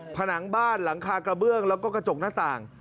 ผนังบ้านหลังคากระเบื้องแล้วก็กระจกหน้าต่าง